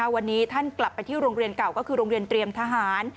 วันนี้ท่านกลับไปที่โรงเรียนเก่าก็คือโรงเรียนเตรียมทหาร